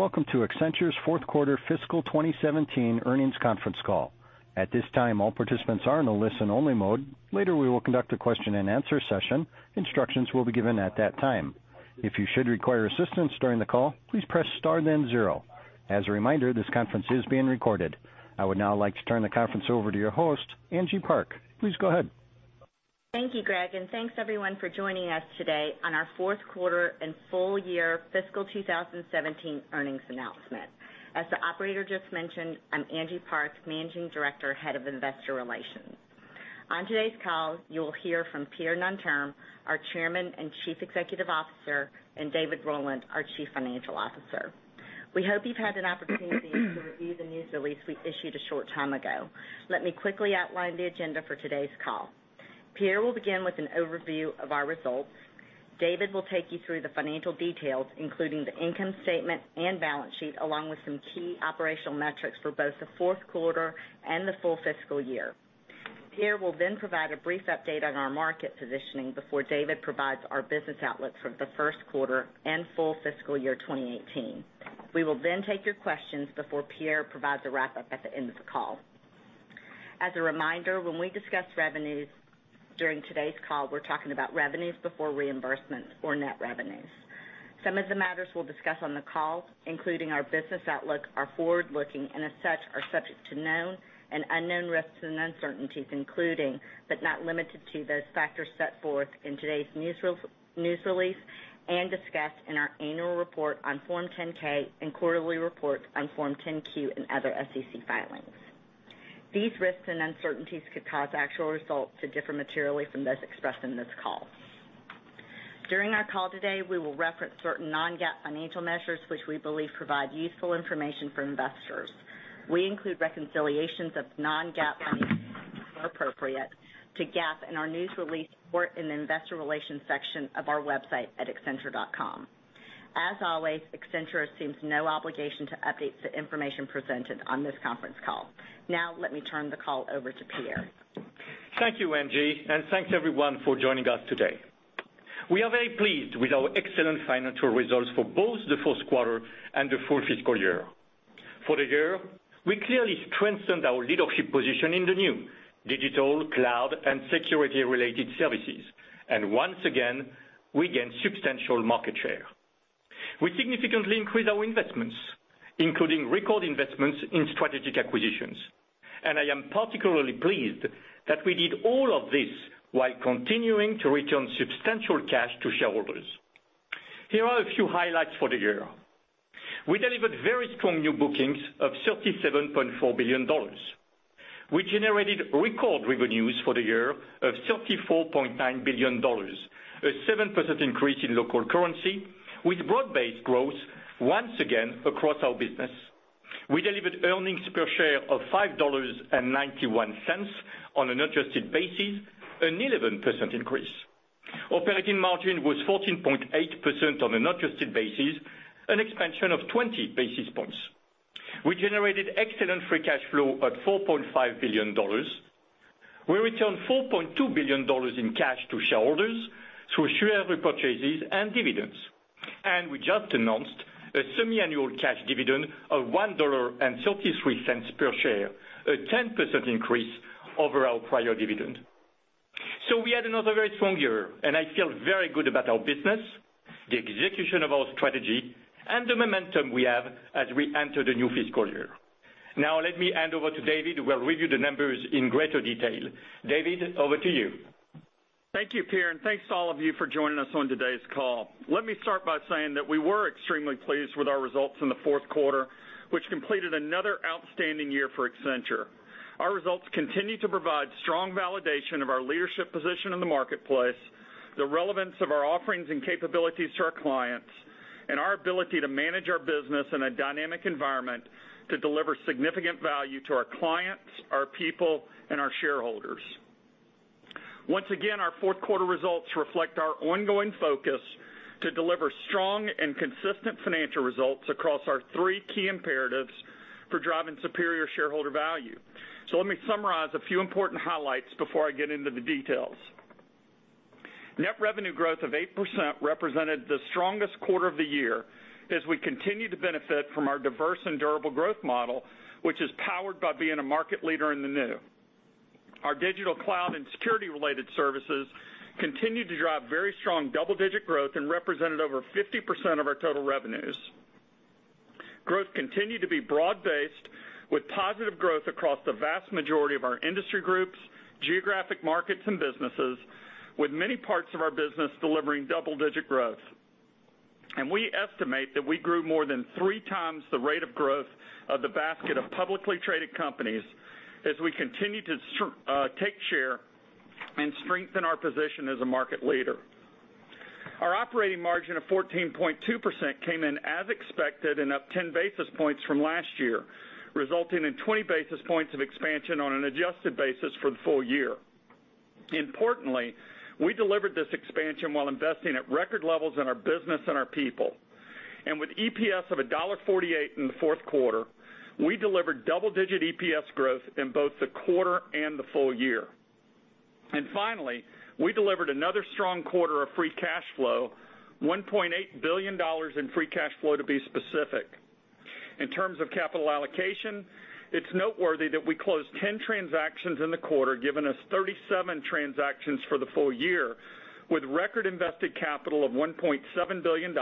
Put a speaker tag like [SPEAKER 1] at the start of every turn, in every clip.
[SPEAKER 1] Welcome to Accenture's fourth quarter fiscal 2017 earnings conference call. At this time, all participants are in a listen-only mode. Later, we will conduct a question-and-answer session. Instructions will be given at that time. If you should require assistance during the call, please press star then zero. As a reminder, this conference is being recorded. I would now like to turn the conference over to your host, Angie Park. Please go ahead.
[SPEAKER 2] Thank you, Greg, thanks everyone for joining us today on our fourth quarter and full year fiscal 2017 earnings announcement. As the operator just mentioned, I'm Angie Park, Managing Director, Head of Investor Relations. On today's call, you will hear from Pierre Nanterme, our Chairman and Chief Executive Officer, and David Rowland, our Chief Financial Officer. David will take you through the financial details, including the income statement and balance sheet, along with some key operational metrics for both the fourth quarter and the full fiscal year. Pierre will then provide a brief update on our market positioning before David provides our business outlook for the first quarter and full fiscal year 2018. We will then take your questions before Pierre provides a wrap-up at the end of the call. As a reminder, when we discuss revenues during today's call, we're talking about revenues before reimbursements or net revenues. Some of the matters we'll discuss on the call, including our business outlook, are forward-looking and as such, are subject to known and unknown risks and uncertainties, including, but not limited to, those factors set forth in today's news release and discussed in our annual report on Form 10-K and quarterly reports on Form 10-Q and other SEC filings. These risks and uncertainties could cause actual results to differ materially from those expressed in this call. During our call today, we will reference certain non-GAAP financial measures which we believe provide useful information for investors. We include reconciliations of non-GAAP financial measures where appropriate to GAAP in our news release or in the investor relations section of our website at accenture.com. As always, Accenture assumes no obligation to update the information presented on this conference call. Now let me turn the call over to Pierre.
[SPEAKER 3] Thank you, Angie, and thanks everyone for joining us today. We are very pleased with our excellent financial results for both the fourth quarter and the full fiscal year. For the year, we clearly strengthened our leadership position in the new digital, cloud, and security-related services. Once again, we gained substantial market share. We significantly increased our investments, including record investments in strategic acquisitions. I am particularly pleased that we did all of this while continuing to return substantial cash to shareholders. Here are a few highlights for the year. We delivered very strong new bookings of $37.4 billion. We generated record revenues for the year of $34.9 billion, a 7% increase in local currency with broad-based growth once again across our business. We delivered earnings per share of $5.91 on an adjusted basis, an 11% increase. Operating margin was 14.8% on an adjusted basis, an expansion of 20 basis points. We generated excellent free cash flow at $4.5 billion. We returned $4.2 billion in cash to shareholders through share repurchases and dividends. We just announced a semi-annual cash dividend of $1.33 per share, a 10% increase over our prior dividend. We had another very strong year, and I feel very good about our business, the execution of our strategy, and the momentum we have as we enter the new fiscal year. Now let me hand over to David, who will review the numbers in greater detail. David, over to you.
[SPEAKER 4] Thank you, Pierre, and thanks to all of you for joining us on today's call. Let me start by saying that we were extremely pleased with our results in the fourth quarter, which completed another outstanding year for Accenture. Our results continue to provide strong validation of our leadership position in the marketplace, the relevance of our offerings and capabilities to our clients, and our ability to manage our business in a dynamic environment to deliver significant value to our clients, our people, and our shareholders. Once again, our fourth quarter results reflect our ongoing focus to deliver strong and consistent financial results across our three key imperatives for driving superior shareholder value. Let me summarize a few important highlights before I get into the details. Net revenue growth of 8% represented the strongest quarter of the year as we continue to benefit from our diverse and durable growth model, which is powered by being a market leader in the new. Our digital cloud and security-related services continued to drive very strong double-digit growth and represented over 50% of our total revenues. Growth continued to be broad-based with positive growth across the vast majority of our industry groups, geographic markets, and businesses, with many parts of our business delivering double-digit growth. We estimate that we grew more than three times the rate of growth of the basket of publicly traded companies as we continue to take share and strengthen our position as a market leader. Our operating margin of 14.2% came in as expected and up 10 basis points from last year, resulting in 20 basis points of expansion on an adjusted basis for the full year. Importantly, we delivered this expansion while investing at record levels in our business and our people. With EPS of $1.48 in the fourth quarter, we delivered double-digit EPS growth in both the quarter and the full year. Finally, we delivered another strong quarter of free cash flow, $1.8 billion in free cash flow to be specific. In terms of capital allocation, it's noteworthy that we closed 10 transactions in the quarter, giving us 37 transactions for the full year, with record invested capital of $1.7 billion,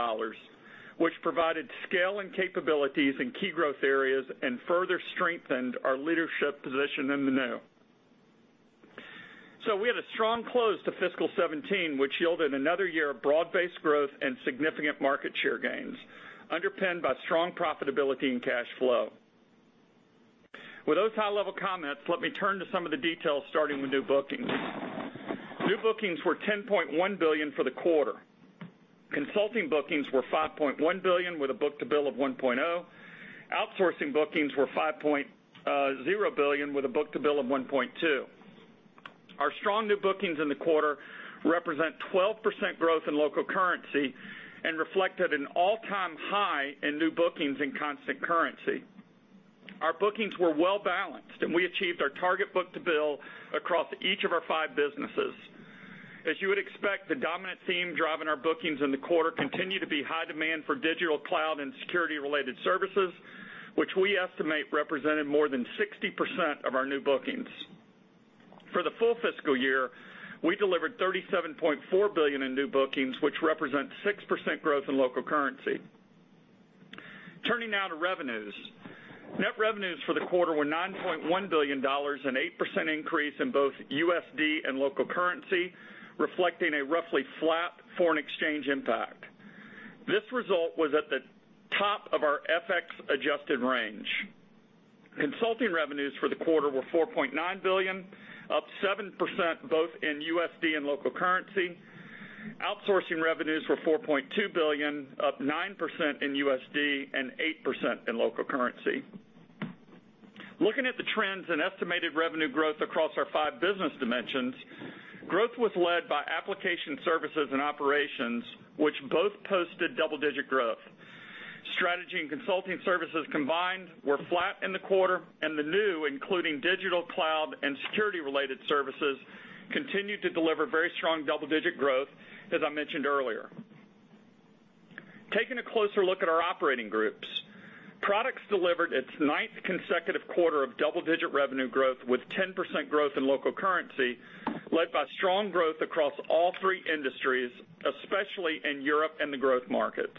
[SPEAKER 4] which provided scale and capabilities in key growth areas and further strengthened our leadership position in the new. We had a strong close to fiscal 2017, which yielded another year of broad-based growth and significant market share gains, underpinned by strong profitability and cash flow. With those high-level comments, let me turn to some of the details, starting with new bookings. New bookings were $10.1 billion for the quarter. Consulting bookings were $5.1 billion with a book-to-bill of 1.0. Outsourcing bookings were $5.0 billion with a book-to-bill of 1.2. Our strong new bookings in the quarter represent 12% growth in local currency and reflected an all-time high in new bookings in constant currency. Our bookings were well-balanced, and we achieved our target book-to-bill across each of our five businesses. As you would expect, the dominant theme driving our bookings in the quarter continued to be high demand for digital cloud and security-related services, which we estimate represented more than 60% of our new bookings. For the full fiscal year, we delivered $37.4 billion in new bookings, which represent 6% growth in local currency. Turning now to revenues. Net revenues for the quarter were $9.1 billion, an 8% increase in both USD and local currency, reflecting a roughly flat foreign exchange impact. This result was at the top of our FX-adjusted range. Consulting revenues for the quarter were $4.9 billion, up 7% both in USD and local currency. Outsourcing revenues were $4.2 billion, up 9% in USD and 8% in local currency. Looking at the trends in estimated revenue growth across our five business dimensions, growth was led by application services and operations, which both posted double-digit growth. Strategy and consulting services combined were flat in the quarter, and the new, including digital cloud and security-related services, continued to deliver very strong double-digit growth, as I mentioned earlier. Taking a closer look at our operating groups. Products delivered its ninth consecutive quarter of double-digit revenue growth with 10% growth in local currency, led by strong growth across all three industries, especially in Europe and the growth markets.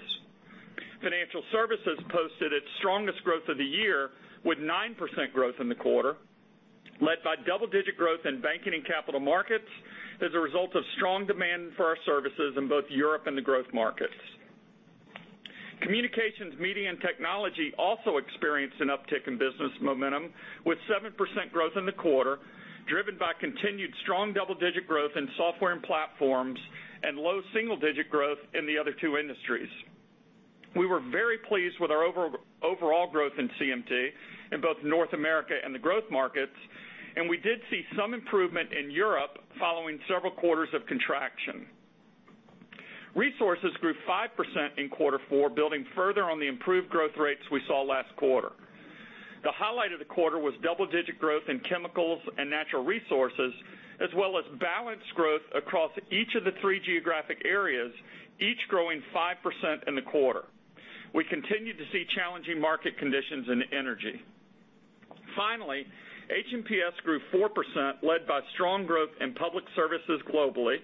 [SPEAKER 4] Financial services posted its strongest growth of the year, with 9% growth in the quarter, led by double-digit growth in banking and capital markets as a result of strong demand for our services in both Europe and the growth markets. Communications, Media, and Technology also experienced an uptick in business momentum with 7% growth in the quarter, driven by continued strong double-digit growth in software and platforms and low double-digit growth in the other two industries. We were very pleased with our overall growth in CMT in both North America and the growth markets, and we did see some improvement in Europe following several quarters of contraction. Resources grew 5% in quarter four, building further on the improved growth rates we saw last quarter. The highlight of the quarter was double-digit growth in chemicals and natural resources, as well as balanced growth across each of the three geographic areas, each growing 5% in the quarter. We continue to see challenging market conditions in energy. Finally, H&PS grew 4%, led by strong growth in public services globally.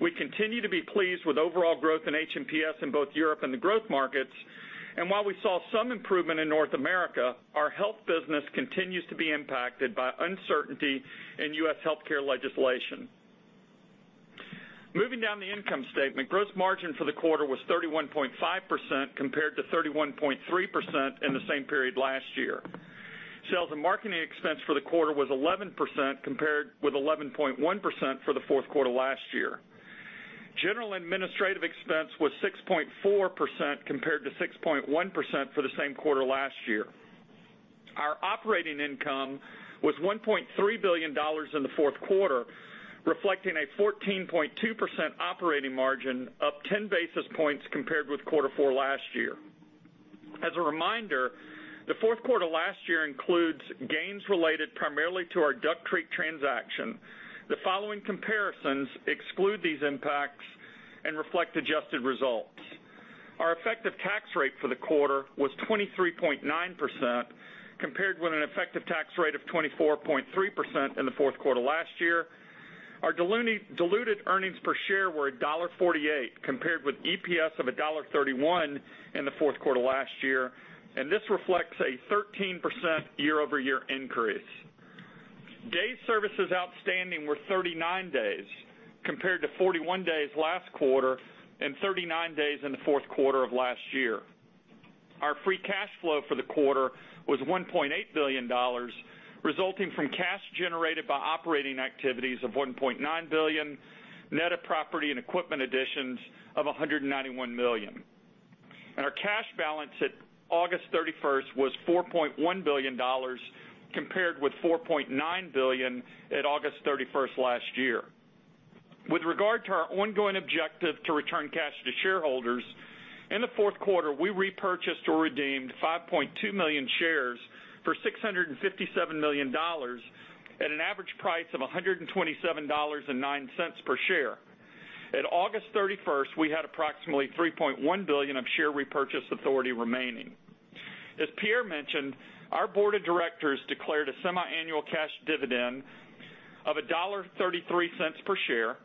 [SPEAKER 4] We continue to be pleased with overall growth in H&PS in both Europe and the growth markets. While we saw some improvement in North America, our health business continues to be impacted by uncertainty in U.S. healthcare legislation. Moving down the income statement, gross margin for the quarter was 31.5% compared to 31.3% in the same period last year. Sales and marketing expense for the quarter was 11% compared with 11.1% for the fourth quarter last year. General administrative expense was 6.4% compared to 6.1% for the same quarter last year. Our operating income was $1.3 billion in the fourth quarter, reflecting a 14.2% operating margin, up 10 basis points compared with quarter four last year. As a reminder, the fourth quarter last year includes gains related primarily to our Duck Creek transaction. The following comparisons exclude these impacts and reflect adjusted results. Our effective tax rate for the quarter was 23.9% compared with an effective tax rate of 24.3% in the fourth quarter last year. Our diluted earnings per share were $1.48, compared with EPS of $1.31 in the fourth quarter last year. This reflects a 13% year-over-year increase. Days services outstanding were 39 days, compared to 41 days last quarter and 39 days in the fourth quarter of last year. Our free cash flow for the quarter was $1.8 billion, resulting from cash generated by operating activities of $1.9 billion, net of property and equipment additions of $191 million. Our cash balance at August 31st was $4.1 billion, compared with $4.9 billion at August 31st last year. With regard to our ongoing objective to return cash to shareholders, in the fourth quarter, we repurchased or redeemed 5.2 million shares for $657 million at an average price of $127.09 per share. At August 31st, we had approximately $3.1 billion of share repurchase authority remaining. As Pierre mentioned, our board of directors declared a semiannual cash dividend of $1.33 per share.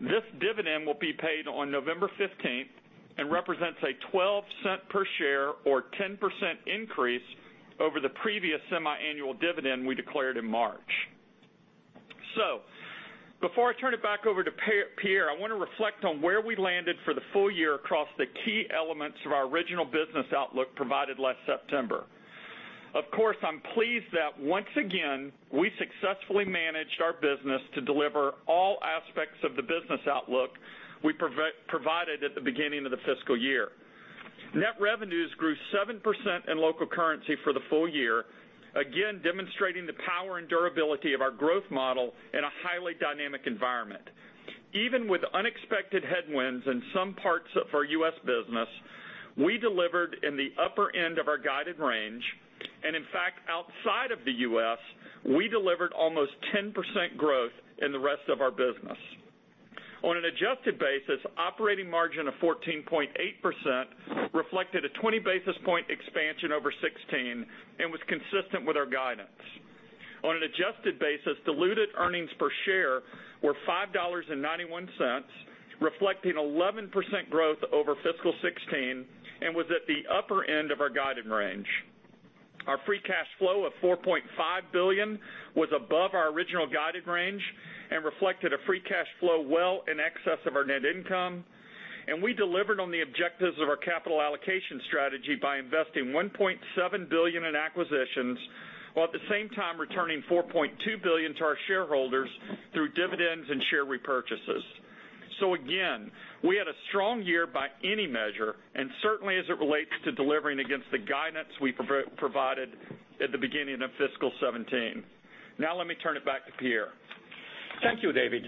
[SPEAKER 4] This dividend will be paid on November 15th and represents a $0.12 per share or 10% increase over the previous semiannual dividend we declared in March. Before I turn it back over to Pierre, I want to reflect on where we landed for the full year across the key elements of our original business outlook provided last September. Of course, I'm pleased that once again, we successfully managed our business to deliver all aspects of the business outlook we provided at the beginning of the fiscal year. Net revenues grew 7% in local currency for the full year, again, demonstrating the power and durability of our growth model in a highly dynamic environment. Even with unexpected headwinds in some parts of our U.S. business, we delivered in the upper end of our guided range, and in fact, outside of the U.S., we delivered almost 10% growth in the rest of our business. On an adjusted basis, operating margin of 14.8% reflected a 20-basis point expansion over 16, and was consistent with our guidance. On an adjusted basis, diluted earnings per share were $5.91, reflecting 11% growth over fiscal 2016, and was at the upper end of our guided range. Our free cash flow of $4.5 billion was above our original guided range and reflected a free cash flow well in excess of our net income. We delivered on the objectives of our capital allocation strategy by investing $1.7 billion in acquisitions, while at the same time returning $4.2 billion to our shareholders through dividends and share repurchases. Again, we had a strong year by any measure, and certainly as it relates to delivering against the guidance we provided at the beginning of fiscal 2017. Now let me turn it back to Pierre.
[SPEAKER 3] Thank you, David.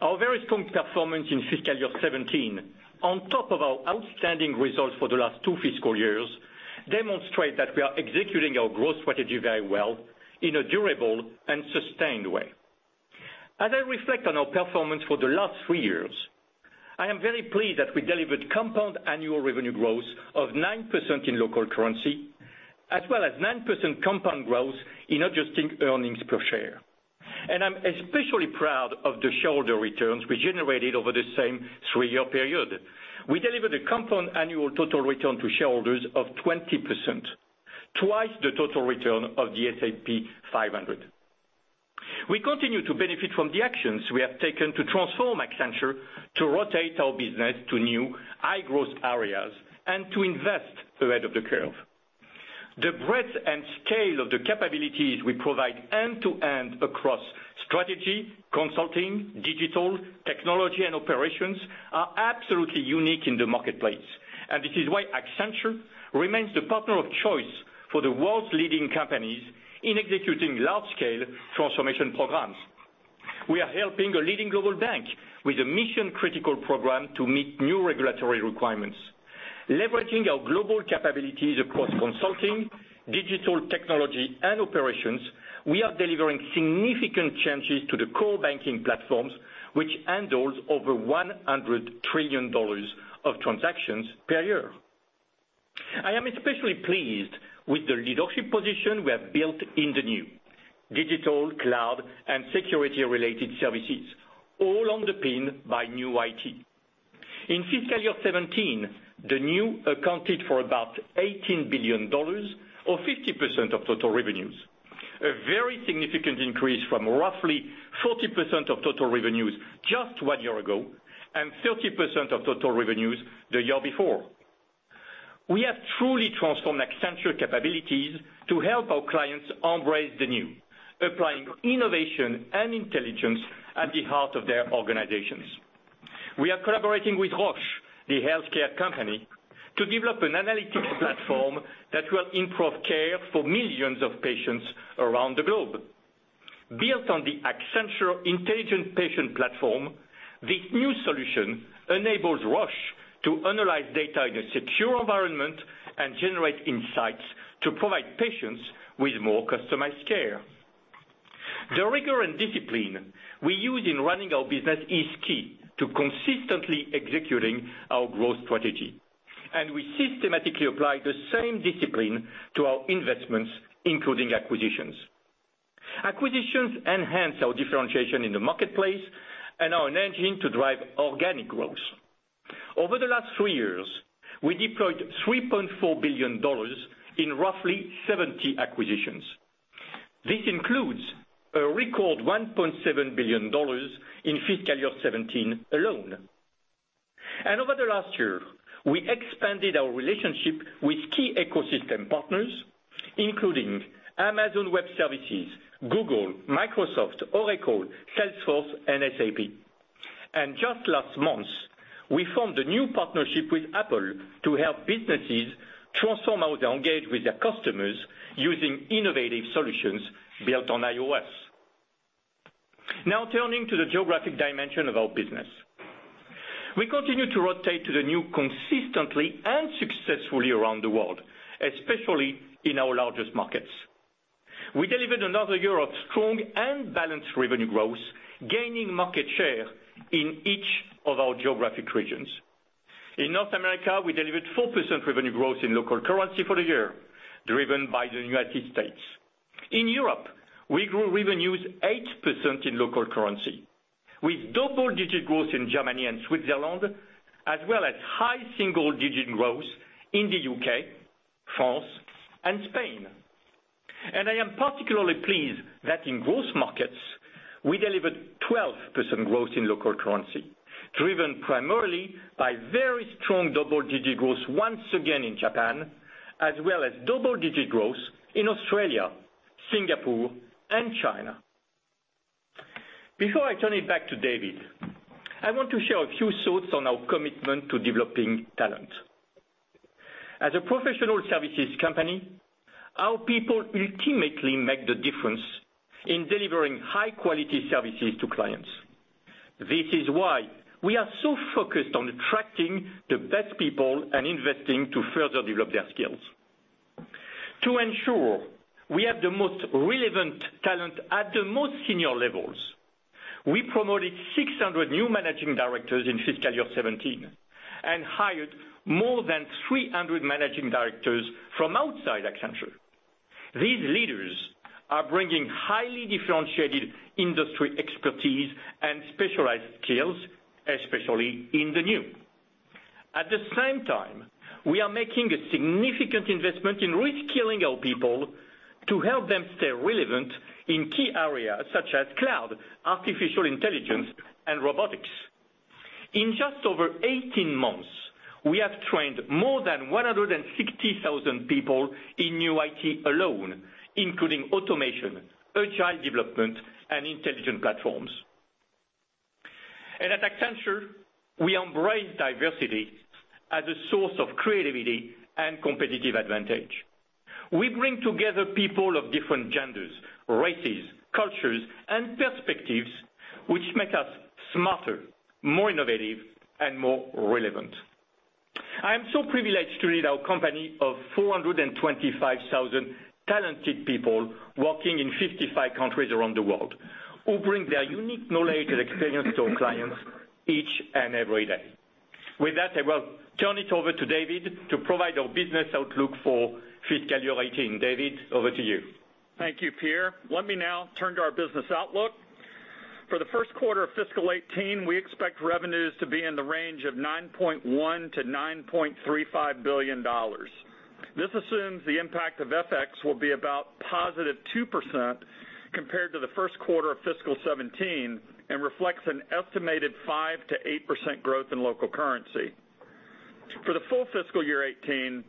[SPEAKER 3] Our very strong performance in fiscal year 2017, on top of our outstanding results for the last two fiscal years, demonstrate that we are executing our growth strategy very well in a durable and sustained way. As I reflect on our performance for the last three years, I am very pleased that we delivered compound annual revenue growth of 9% in local currency, as well as 9% compound growth in adjusted earnings per share. I'm especially proud of the shareholder returns we generated over the same three-year period. We delivered a compound annual total return to shareholders of 20%, twice the total return of the S&P 500. We continue to benefit from the actions we have taken to transform Accenture to rotate our business to new high-growth areas and to invest ahead of the curve. The breadth and scale of the capabilities we provide end-to-end across strategy, consulting, digital, technology and operations are absolutely unique in the marketplace, and this is why Accenture remains the partner of choice for the world's leading companies in executing large-scale transformation programs. We are helping a leading global bank with a mission-critical program to meet new regulatory requirements. Leveraging our global capabilities across consulting, digital technology, and operations, we are delivering significant changes to the core banking platforms, which handles over $100 trillion of transactions per year. I am especially pleased with the leadership position we have built in the new digital, cloud, and security-related services, all underpinned by new IT. In fiscal year 2017, the new accounted for about $18 billion or 50% of total revenues. A very significant increase from roughly 40% of total revenues just one year ago, and 30% of total revenues the year before. We have truly transformed Accenture capabilities to help our clients embrace the new, applying innovation and intelligence at the heart of their organizations. We are collaborating with Roche, the healthcare company, to develop an analytics platform that will improve care for millions of patients around the globe. Built on the Accenture Intelligent Patient Platform, this new solution enables Roche to analyze data in a secure environment and generate insights to provide patients with more customized care. The rigor and discipline we use in running our business is key to consistently executing our growth strategy. We systematically apply the same discipline to our investments, including acquisitions. Acquisitions enhance our differentiation in the marketplace and are an engine to drive organic growth. Over the last three years, we deployed $3.4 billion in roughly 70 acquisitions. This includes a record $1.7 billion in fiscal year 2017 alone. Over the last year, we expanded our relationship with key ecosystem partners, including Amazon Web Services, Google, Microsoft, Oracle, Salesforce, and SAP. Just last month, we formed a new partnership with Apple to help businesses transform how they engage with their customers using innovative solutions built on iOS. Turning to the geographic dimension of our business. We continue to rotate to the new consistently and successfully around the world, especially in our largest markets. We delivered another year of strong and balanced revenue growth, gaining market share in each of our geographic regions. In North America, we delivered 4% revenue growth in local currency for the year, driven by the United States. In Europe, we grew revenues 8% in local currency, with double-digit growth in Germany and Switzerland, as well as high single-digit growth in the U.K., France, and Spain. I am particularly pleased that in growth markets, we delivered 12% growth in local currency, driven primarily by very strong double-digit growth once again in Japan, as well as double-digit growth in Australia, Singapore, and China. Before I turn it back to David, I want to share a few thoughts on our commitment to developing talent. As a professional services company, our people ultimately make the difference in delivering high-quality services to clients. This is why we are so focused on attracting the best people and investing to further develop their skills. To ensure we have the most relevant talent at the most senior levels, we promoted 600 new managing directors in fiscal year 2017 and hired more than 300 managing directors from outside Accenture. These leaders are bringing highly differentiated industry expertise and specialized skills, especially in the new. At the same time, we are making a significant investment in reskilling our people to help them stay relevant in key areas such as cloud, artificial intelligence, and robotics. In just over 18 months, we have trained more than 160,000 people in new IT alone, including automation, agile development, and intelligent platforms. At Accenture, we embrace diversity as a source of creativity and competitive advantage. We bring together people of different genders, races, cultures, and perspectives, which make us smarter, more innovative, and more relevant. I am so privileged to lead our company of 425,000 talented people working in 55 countries around the world who bring their unique knowledge and experience to our clients each and every day. With that, I will turn it over to David to provide our business outlook for fiscal year 2018. David, over to you.
[SPEAKER 4] Thank you, Pierre. Let me now turn to our business outlook. For the first quarter of fiscal 2018, we expect revenues to be in the range of $9.1 billion to $9.35 billion. This assumes the impact of FX will be about positive 2% compared to the first quarter of fiscal 2017 and reflects an estimated 5%-8% growth in local currency. For the full fiscal year 2018,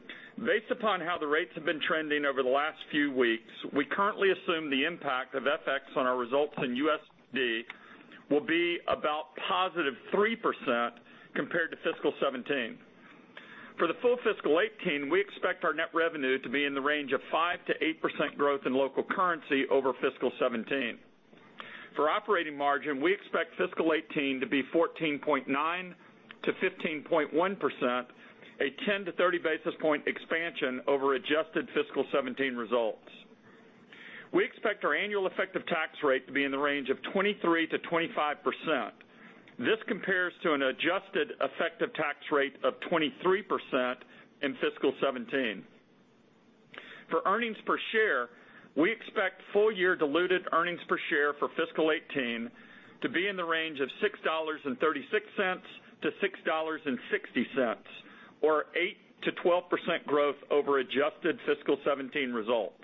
[SPEAKER 4] based upon how the rates have been trending over the last few weeks, we currently assume the impact of FX on our results in USD will be about positive 3% compared to fiscal 2017. For the full fiscal 2018, we expect our net revenue to be in the range of 5%-8% growth in local currency over fiscal 2017. For operating margin, we expect fiscal 2018 to be 14.9%-15.1%, a 10 to 30 basis point expansion over adjusted fiscal 2017 results. We expect our annual effective tax rate to be in the range of 23%-25%. This compares to an adjusted effective tax rate of 23% in fiscal 2017. For earnings per share, we expect full-year diluted earnings per share for fiscal 2018 to be in the range of $6.36-$6.60, or 8%-12% growth over adjusted fiscal 2017 results.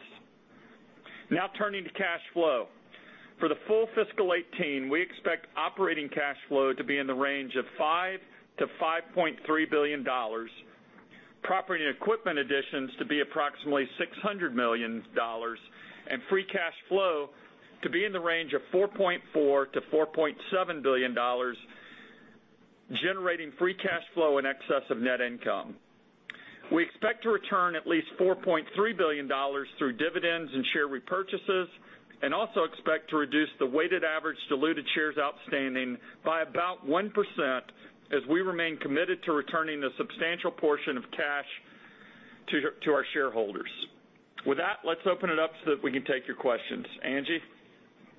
[SPEAKER 4] Turning to cash flow. For the full fiscal 2018, we expect operating cash flow to be in the range of $5 billion-$5.3 billion, property and equipment additions to be approximately $600 million, and free cash flow to be in the range of $4.4 billion-$4.7 billion, generating free cash flow in excess of net income. We expect to return at least $4.3 billion through dividends and share repurchases. Also expect to reduce the weighted average diluted shares outstanding by about 1% as we remain committed to returning a substantial portion of cash to our shareholders. With that, let's open it up so that we can take your questions. Angie?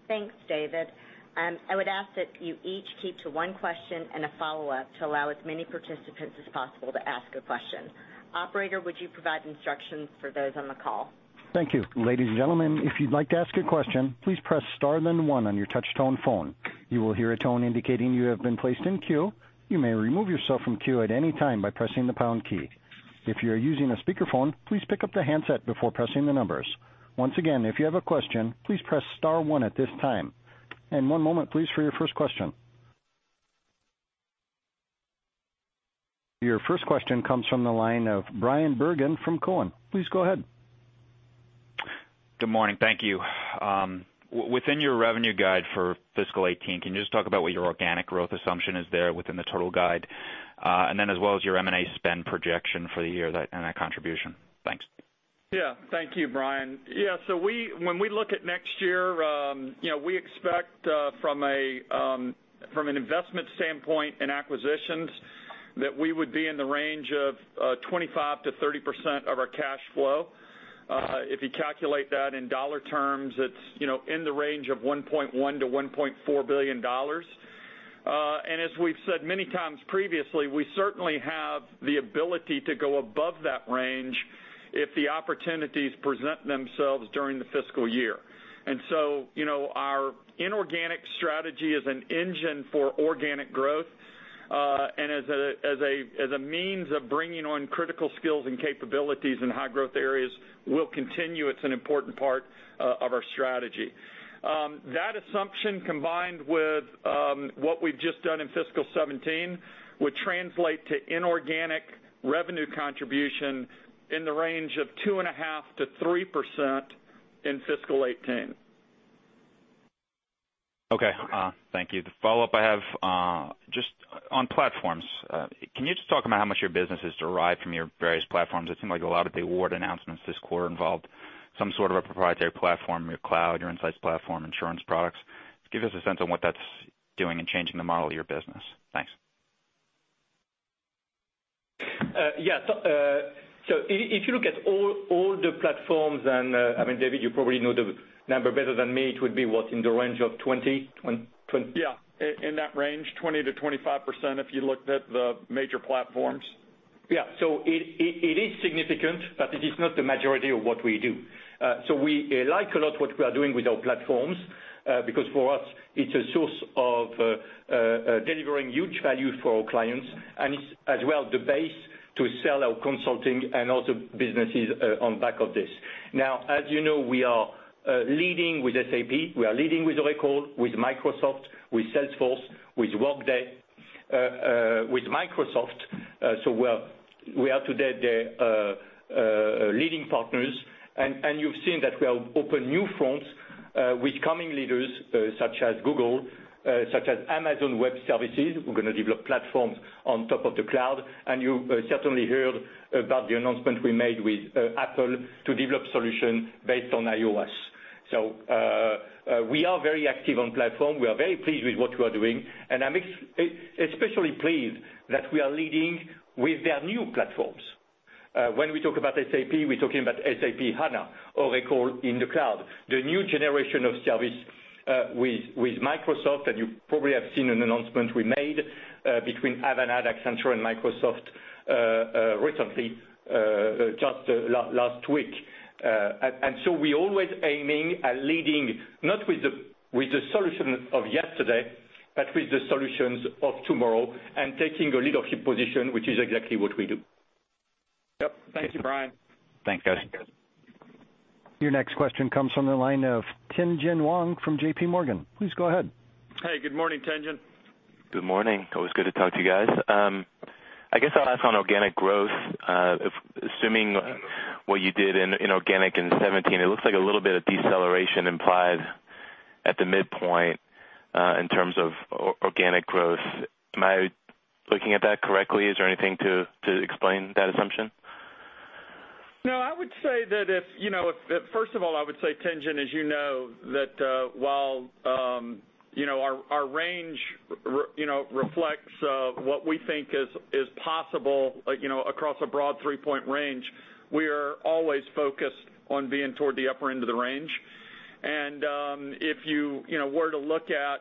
[SPEAKER 2] Thanks, David. I would ask that you each keep to one question and a follow-up to allow as many participants as possible to ask a question. Operator, would you provide instructions for those on the call?
[SPEAKER 1] Thank you. Ladies and gentlemen, if you'd like to ask a question, please press star then one on your touch-tone phone. You will hear a tone indicating you have been placed in queue. You may remove yourself from queue at any time by pressing the pound key. If you are using a speakerphone, please pick up the handset before pressing the numbers. Once again, if you have a question, please press star one at this time. One moment, please, for your first question. Your first question comes from the line of Bryan Bergin from Cowen. Please go ahead.
[SPEAKER 5] Good morning. Thank you. Within your revenue guide for fiscal 2018, can you just talk about what your organic growth assumption is there within the total guide? As well as your M&A spend projection for the year and that contribution. Thanks.
[SPEAKER 4] Thank you, Bryan. When we look at next year, we expect from an investment standpoint in acquisitions, that we would be in the range of 25%-30% of our cash flow. If you calculate that in dollar terms, it's in the range of $1.1 billion-$1.4 billion. As we've said many times previously, we certainly have the ability to go above that range if the opportunities present themselves during the fiscal year. Our inorganic strategy is an engine for organic growth. As a means of bringing on critical skills and capabilities in high growth areas will continue. It's an important part of our strategy. That assumption, combined with what we've just done in fiscal 2017, would translate to inorganic revenue contribution in the range of 2.5%-3% in fiscal 2018.
[SPEAKER 5] Okay. Thank you. The follow-up I have, just on platforms. Can you just talk about how much your business is derived from your various platforms? It seemed like a lot of the award announcements this quarter involved some sort of a proprietary platform, your cloud, your insights platform, insurance products. Just give us a sense on what that's doing in changing the model of your business. Thanks.
[SPEAKER 3] If you look at all the platforms, and, David, you probably know the number better than me, it would be, what, in the range of 20-
[SPEAKER 4] Yeah. In that range, 20%-25% if you looked at the major platforms.
[SPEAKER 3] Yeah. It is significant, but it is not the majority of what we do. We like a lot what we are doing with our platforms, because for us, it's a source of delivering huge value for our clients, and it's, as well, the base to sell our consulting and other businesses on back of this. Now, as you know, we are leading with SAP, we are leading with Oracle, with Microsoft, with Salesforce, with Workday. With Microsoft, we are today their leading partners. You've seen that we have opened new fronts with coming leaders such as Google, such as Amazon Web Services. We're going to develop platforms on top of the cloud. You certainly heard about the announcement we made with Apple to develop solution based on iOS. We are very active on platform. We are very pleased with what we are doing. I'm especially pleased that we are leading with their new platforms. When we talk about SAP, we're talking about SAP HANA or Oracle in the cloud, the new generation of service with Microsoft, you probably have seen an announcement we made between Avanade, Accenture, and Microsoft recently, just last week. We're always aiming at leading, not with the solution of yesterday, but with the solutions of tomorrow and taking a leadership position, which is exactly what we do.
[SPEAKER 4] Yep. Thank you, Bryan.
[SPEAKER 5] Thanks, guys.
[SPEAKER 1] Your next question comes from the line of Tien-Tsin Huang from JPMorgan. Please go ahead.
[SPEAKER 4] Hey, good morning, Tien-Tsin.
[SPEAKER 6] Good morning. Always good to talk to you guys. I guess I'll ask on organic growth. Assuming what you did in organic in 2017, it looks like a little bit of deceleration implied at the midpoint, in terms of organic growth. Am I looking at that correctly? Is there anything to explain that assumption?
[SPEAKER 4] No, first of all, I would say, Tien-Tsin, as you know, that while our range reflects what we think is possible across a broad three-point range, we are always focused on being toward the upper end of the range. If you were to look at,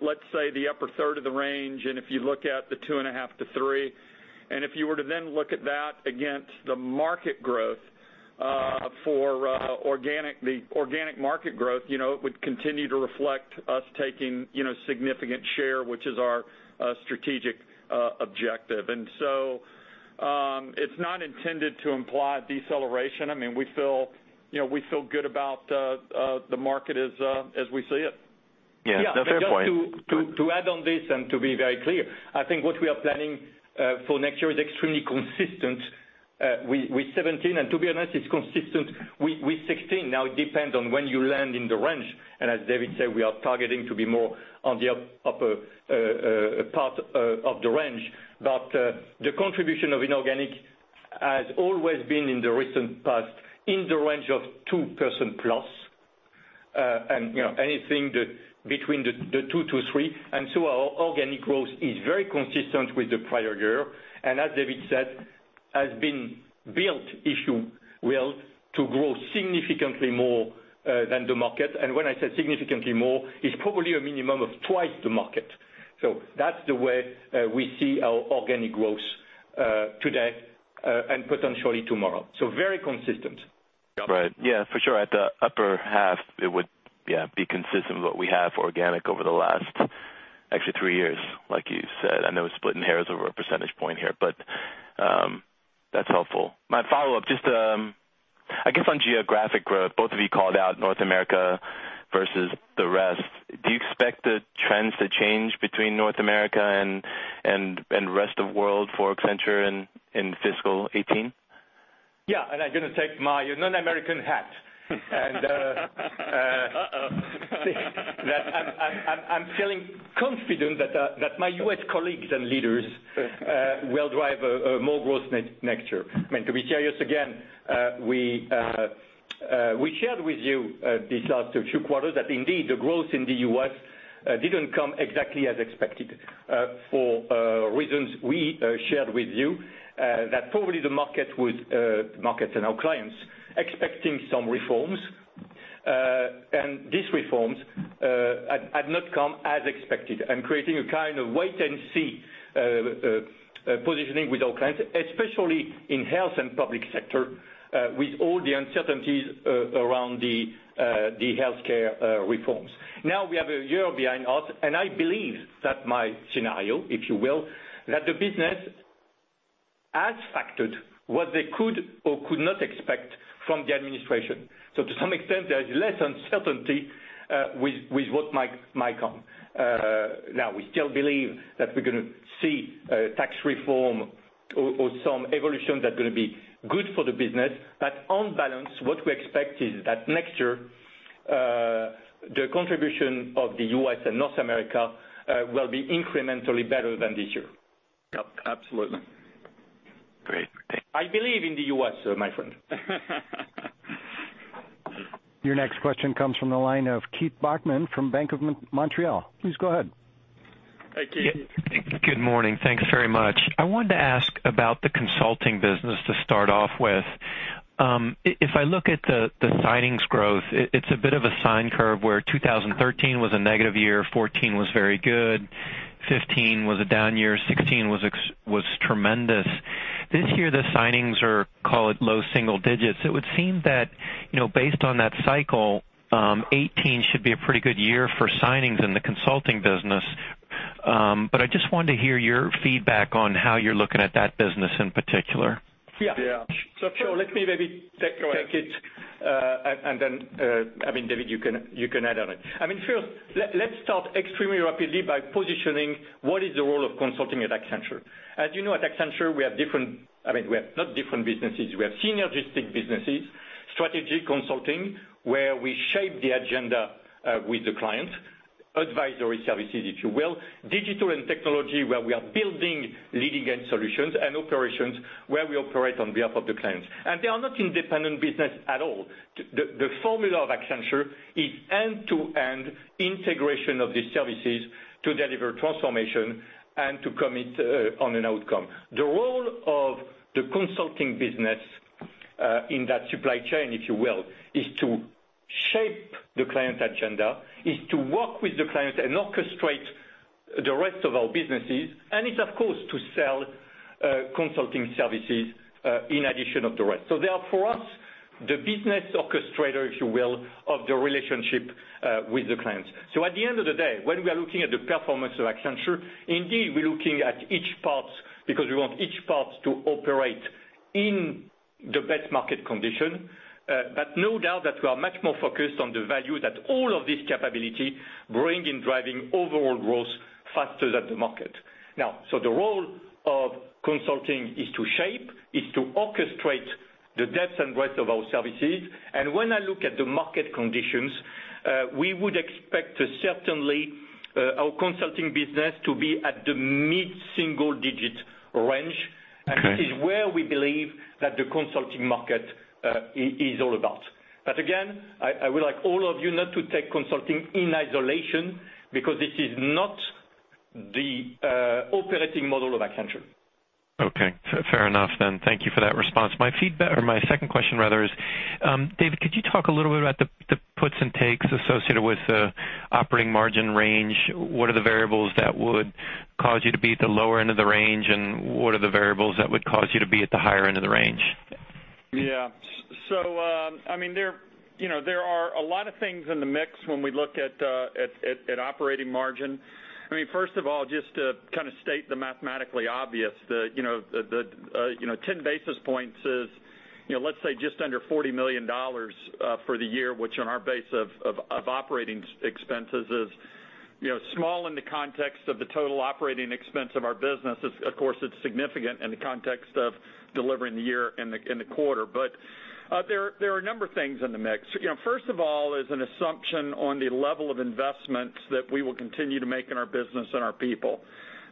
[SPEAKER 4] let's say, the upper third of the range, if you look at the 2.5%-3%, if you were to then look at that against the market growth for the organic market growth, it would continue to reflect us taking significant share, which is our strategic objective. It's not intended to imply deceleration. We feel good about the market as we see it.
[SPEAKER 6] Yeah. No, fair point.
[SPEAKER 3] Yeah. Just to add on this and to be very clear, I think what we are planning for next year is extremely consistent with 2017, to be honest, it's consistent with 2016. Now, it depends on when you land in the range. As David said, we are targeting to be more on the upper part of the range. The contribution of inorganic has always been, in the recent past, in the range of 2%+, and anything between the 2%-3%. Our organic growth is very consistent with the prior year. As David said, has been built, if you will, to grow significantly more than the market. When I say significantly more, it's probably a minimum of twice the market. That's the way we see our organic growth today, and potentially tomorrow. Very consistent.
[SPEAKER 4] Yep.
[SPEAKER 6] Right. Yeah, for sure. At the upper half it would, yeah, be consistent with what we have organic over the last actually three years, like you said. I know we're splitting hairs over a percentage point here, but that's helpful. My follow-up, just I guess on geographic growth, both of you called out North America versus the rest. The change between North America and rest of world for Accenture in fiscal 2018?
[SPEAKER 3] Yeah. I'm going to take my non-American hat.
[SPEAKER 6] Uh-oh.
[SPEAKER 3] I'm feeling confident that my U.S. colleagues and leaders will drive more growth next year. I mean, to be serious again, we shared with you these last two quarters that indeed the growth in the U.S. didn't come exactly as expected for reasons we shared with you. That probably the market and our clients expecting some reforms, these reforms had not come as expected, creating a kind of wait and see positioning with our clients, especially in Health and Public Sector, with all the uncertainties around the healthcare reforms. We have a year behind us, I believe that my scenario, if you will, that the business has factored what they could or could not expect from the administration. To some extent, there is less uncertainty with what might come. We still believe that we're going to see tax reform or some evolution that are going to be good for the business. On balance, what we expect is that next year, the contribution of the U.S. and North America will be incrementally better than this year.
[SPEAKER 6] Yep, absolutely. Great. Thanks.
[SPEAKER 3] I believe in the U.S., my friend.
[SPEAKER 1] Your next question comes from the line of Keith Bachman from BMO Capital Markets. Please go ahead.
[SPEAKER 3] Hi, Keith.
[SPEAKER 7] Good morning. Thanks very much. I wanted to ask about the consulting business to start off with. If I look at the signings growth, it's a bit of a sine curve where 2013 was a negative year, 2014 was very good, 2015 was a down year, 2016 was tremendous. This year, the signings are, call it, low single digits. It would seem that based on that cycle, 2018 should be a pretty good year for signings in the consulting business. I just wanted to hear your feedback on how you're looking at that business in particular.
[SPEAKER 3] Yeah. Let me
[SPEAKER 4] Go ahead
[SPEAKER 3] Take it. I mean, David, you can add on it. I mean, first, let's start extremely rapidly by positioning what is the role of consulting at Accenture. As you know, at Accenture, we have different I mean, we have not different businesses. We have synergistic businesses. Strategy consulting, where we shape the agenda with the client. Advisory services, if you will. Digital and technology, where we are building leading-edge solutions and operations where we operate on behalf of the clients. They are not independent business at all. The formula of Accenture is end-to-end integration of these services to deliver transformation and to commit on an outcome. The role of the consulting business in that supply chain, if you will, is to shape the client's agenda, is to work with the client and orchestrate the rest of our businesses. It's of course to sell consulting services in addition of the rest. They are for us, the business orchestrator, if you will, of the relationship with the clients. At the end of the day, when we are looking at the performance of Accenture, indeed, we're looking at each parts because we want each parts to operate in the best market condition. No doubt that we are much more focused on the value that all of this capability bring in driving overall growth faster than the market. Now, the role of consulting is to shape, is to orchestrate the depth and breadth of our services. When I look at the market conditions, we would expect certainly our consulting business to be at the mid-single digit range.
[SPEAKER 7] Okay.
[SPEAKER 3] This is where we believe that the consulting market is all about. Again, I would like all of you not to take consulting in isolation because this is not the operating model of Accenture.
[SPEAKER 7] Okay. Fair enough then. Thank you for that response. My feedback or my second question rather is, David, could you talk a little bit about the puts and takes associated with the operating margin range? What are the variables that would cause you to be at the lower end of the range, and what are the variables that would cause you to be at the higher end of the range?
[SPEAKER 4] Yeah. I mean, there are a lot of things in the mix when we look at operating margin. I mean, first of all, just to state the mathematically obvious. The 10 basis points is, let's say, just under $40 million for the year, which on our base of operating expenses is small in the context of the total operating expense of our business. Of course, it's significant in the context of delivering the year and the quarter. There are a number of things in the mix. First of all is an assumption on the level of investments that we will continue to make in our business and our people.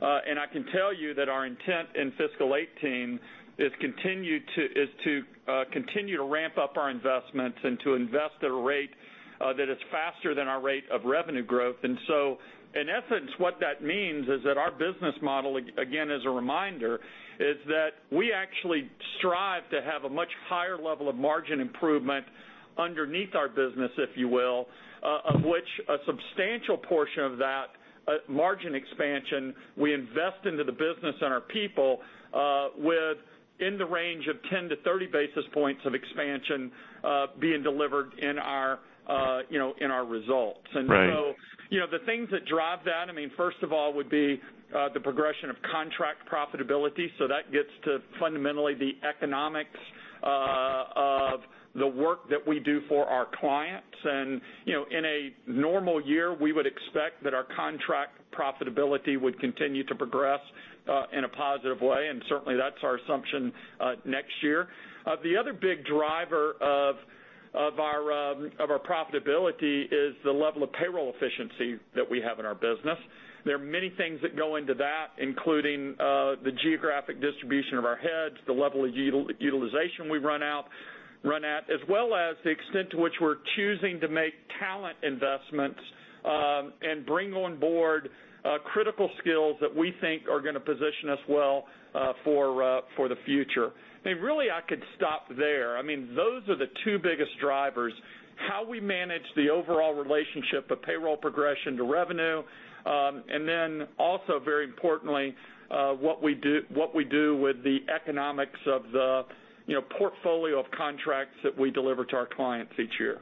[SPEAKER 4] I can tell you that our intent in FY 2018 is to continue to ramp up our investments and to invest at a rate that is faster than our rate of revenue growth.
[SPEAKER 3] In essence, what that means is that our business model, again as a reminder, is that we actually strive to have a much higher level of margin improvement underneath our business, if you will, of which a substantial portion of that margin expansion we invest into the business and our people with in the range of 10-30 basis points of expansion being delivered in our results.
[SPEAKER 7] Right.
[SPEAKER 4] The things that drive that, I mean, first of all would be the progression of contract profitability. That gets to fundamentally the economics of The work that we do for our clients. In a normal year, we would expect that our contract profitability would continue to progress in a positive way, and certainly, that's our assumption next year. The other big driver of our profitability is the level of payroll efficiency that we have in our business. There are many things that go into that, including the geographic distribution of our heads, the level of utilization we run at, as well as the extent to which we're choosing to make talent investments and bring on board critical skills that we think are going to position us well for the future. Really, I could stop there. Those are the two biggest drivers, how we manage the overall relationship of payroll progression to revenue, also very importantly, what we do with the economics of the portfolio of contracts that we deliver to our clients each year.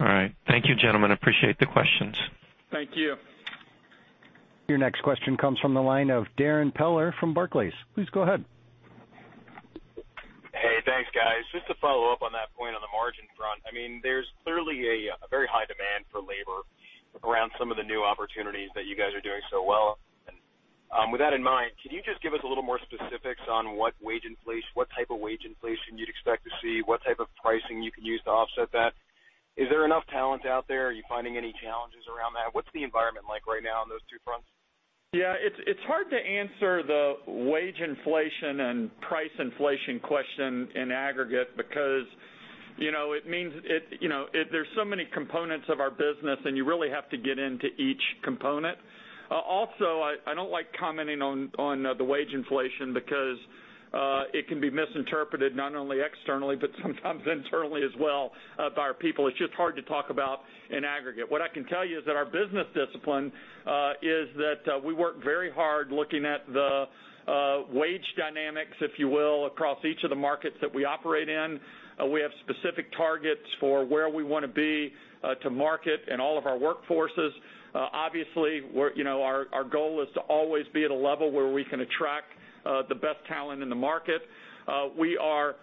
[SPEAKER 7] All right. Thank you, gentlemen. Appreciate the questions.
[SPEAKER 4] Thank you.
[SPEAKER 1] Your next question comes from the line of Darrin Peller from Barclays. Please go ahead.
[SPEAKER 8] Hey, thanks, guys. Just to follow up on that point on the margin front. There is clearly a very high demand for labor around some of the new opportunities that you guys are doing so well. With that in mind, can you just give us a little more specifics on what type of wage inflation you would expect to see, what type of pricing you could use to offset that? Is there enough talent out there? Are you finding any challenges around that? What is the environment like right now on those two fronts?
[SPEAKER 4] Yeah. It is hard to answer the wage inflation and price inflation question in aggregate because there is so many components of our business, and you really have to get into each component. Also, I don't like commenting on the wage inflation because it can be misinterpreted not only externally, but sometimes internally as well by our people. It is just hard to talk about in aggregate. What I can tell you is that our business discipline is that we work very hard looking at the wage dynamics, if you will, across each of the markets that we operate in. We have specific targets for where we want to be to market in all of our workforces. Obviously, our goal is to always be at a level where we can attract the best talent in the market. We are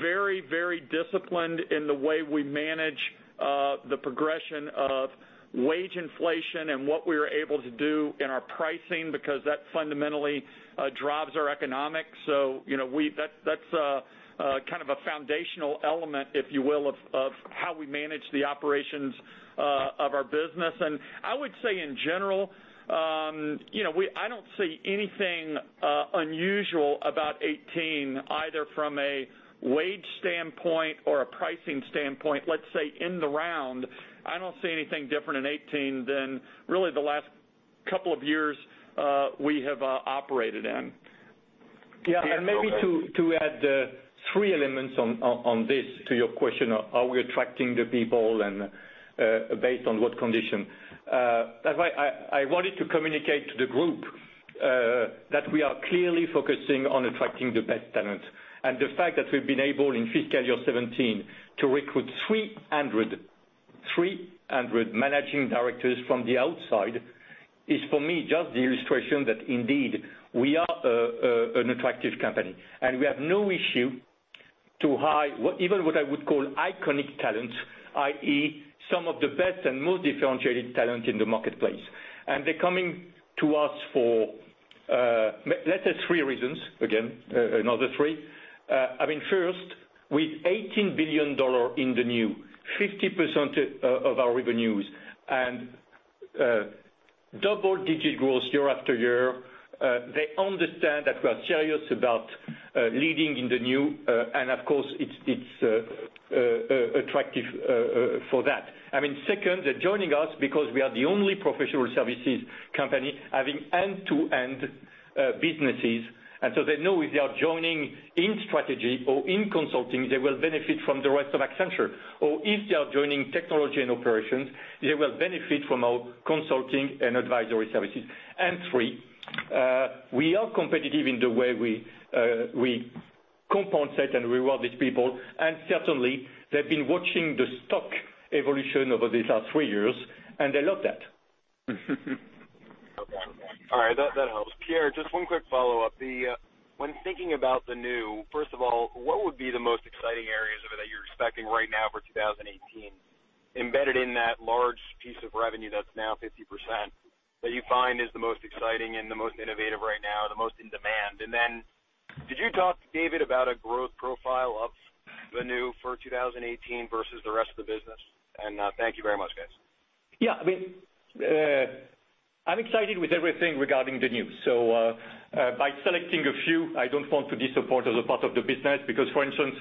[SPEAKER 4] very disciplined in the way we manage the progression of wage inflation and what we are able to do in our pricing because that fundamentally drives our economics. That's a foundational element, if you will, of how we manage the operations of our business. I would say, in general, I don't see anything unusual about 2018, either from a wage standpoint or a pricing standpoint, let's say, in the round. I don't see anything different in 2018 than really the last couple of years we have operated in. Pierre, go ahead.
[SPEAKER 3] Maybe to add three elements on this to your question, are we attracting the people and based on what condition? That's why I wanted to communicate to the group that we are clearly focusing on attracting the best talent. The fact that we've been able, in fiscal year 2017, to recruit 300 managing directors from the outside is, for me, just the illustration that indeed we are an attractive company, and we have no issue to hire even what I would call iconic talent, i.e., some of the best and most differentiated talent in the marketplace. They're coming to us for, let us say three reasons, again, another three. First, with $18 billion in the new 50% of our revenues and double-digit growth year after year, they understand that we are serious about leading in the new, and of course, it's attractive for that. Second, they're joining us because we are the only professional services company having end-to-end businesses. They know if they are joining in strategy or in consulting, they will benefit from the rest of Accenture. If they are joining technology and operations, they will benefit from our consulting and advisory services. Three, we are competitive in the way we compensate and reward these people. Certainly, they've been watching the stock evolution over these last three years, and they love that.
[SPEAKER 8] Okay. All right. That helps. Pierre, just one quick follow-up. When thinking about the new, first of all, what would be the most exciting areas of it that you're expecting right now for 2018, embedded in that large piece of revenue that's now 50%, that you find is the most exciting and the most innovative right now, the most in demand? Did you talk to David about a growth profile of the new for 2018 versus the rest of the business? Thank you very much, guys.
[SPEAKER 3] Yeah. I'm excited with everything regarding the new. By selecting a few, I don't want to disappoint other parts of the business, because for instance,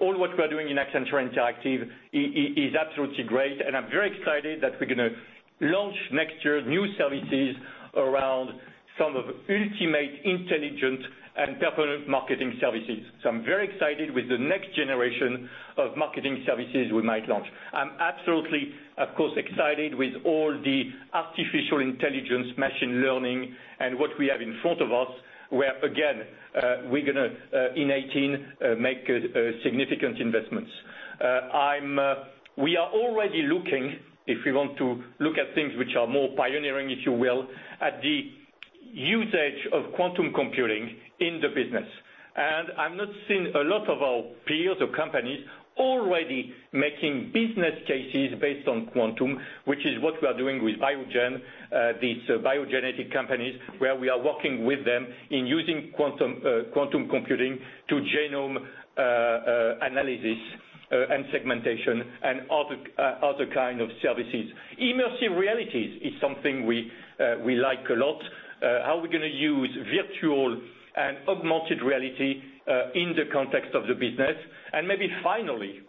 [SPEAKER 3] all what we're doing in Accenture Interactive is absolutely great, and I'm very excited that we're going to launch next year new services around some of the ultimate intelligent and pertinent marketing services. I'm very excited with the next generation of marketing services we might launch. I'm absolutely, of course, excited with all the artificial intelligence, machine learning, and what we have in front of us, where again we're going to, in 2018, make significant investments. We are already looking, if we want to look at things which are more pioneering, if you will, at the usage of quantum computing in the business. I'm not seeing a lot of our peers or companies already making business cases based on quantum, which is what we are doing with Biogen, these biogenetic companies, where we are working with them in using quantum computing to genome analysis and segmentation and other kind of services. Immersive reality is something we like a lot. How we're going to use virtual and augmented reality in the context of the business. Maybe finally,